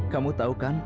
kamu tahu kan